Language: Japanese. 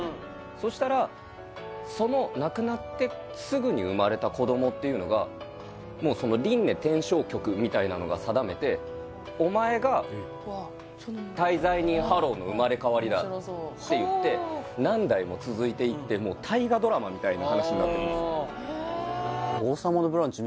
そしたらその亡くなってすぐに生まれた子供っていうのがもうその輪廻転生局みたいなのが定めてお前が大罪人ハローの生まれ変わりだっていって何代も続いていって大河ドラマみたいな話になってるんです